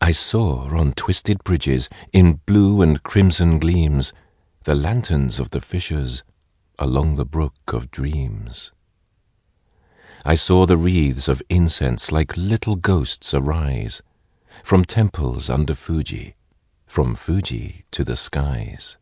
I saw, on twisted bridges, In blue and crimson gleams, The lanterns of the fishers, Along the brook of dreams. I saw the wreathes of incense Like little ghosts arise, From temples under Fuji, From Fuji to the skies.